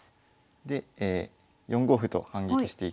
で４五歩と反撃していきますね。